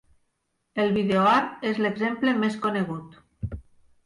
El videoart és l'exemple més conegut.